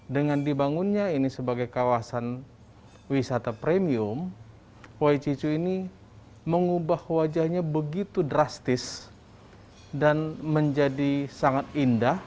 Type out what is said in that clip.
dengan dibangunnya ini sebagai kawasan wisata premium wai cicu ini mengubah wajahnya begitu drastis dan menjadi sangat indah